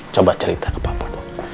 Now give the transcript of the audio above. coba cerita ke papa